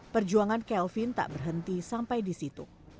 perjuangan kelvin tak berhenti sampai di situ